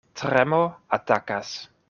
Tremo atakas.